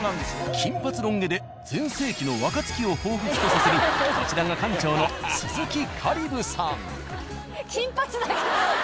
金髪ロン毛で全盛期の若槻をほうふつとさせるこちらが館長の鈴木香里武さん。